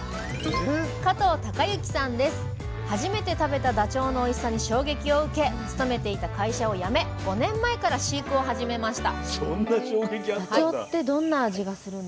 初めて食べたダチョウのおいしさに衝撃を受け勤めていた会社を辞め５年前から飼育を始めました